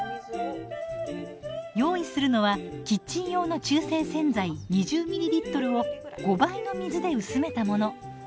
用意するのはキッチン用の中性洗剤２０ｍｌを５倍の水で薄めたもの。